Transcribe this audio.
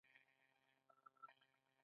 تنفس ضروري دی.